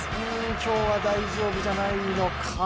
今日は大丈夫じゃないのか？